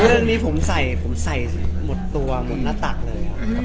เรื่องนี้ผมใส่หมดตัวหมดหน้าตักเลยครับ